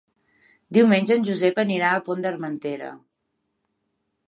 Diumenge en Josep anirà al Pont d'Armentera.